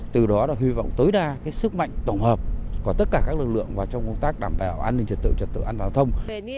từ đó hy vọng tối đa sức mạnh tổng hợp của tất cả các lực lượng vào trong công tác đảm bảo an ninh trật tự trật tự an toàn giao thông